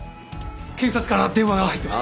検察から電話が入ってます！